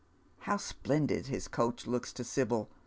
How splendid hia coach looks to Sibyl